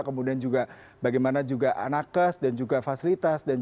kemudian juga bagaimana juga nakes dan juga fasilitas